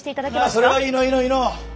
ああそれはいいのいいのいいの。